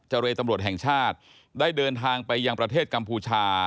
เรตำรวจแห่งชาติได้เดินทางไปยังประเทศกัมพูชา